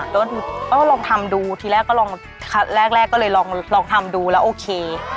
ก็ลองทำดูทีแรกก็ลองแรกก็เลยลองทำดูแล้วโอเค